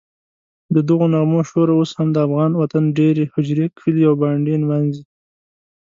ددغو نغمو شور اوس هم د افغان وطن دېرې، هوجرې، کلي او بانډې نمانځي.